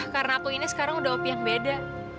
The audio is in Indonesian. karena aku ini sekarang udah opi yang beda